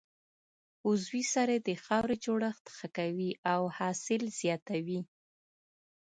عضوي سرې د خاورې جوړښت ښه کوي او حاصل زیاتوي.